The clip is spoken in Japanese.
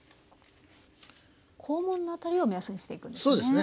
肛門の辺りを目安にしていくんですね。